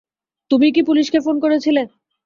তুমিই কি পুলিশকে ফোন করেছিলে?